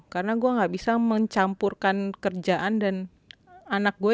karena gue gak bisa mencampurkan kerjaan dan anak gue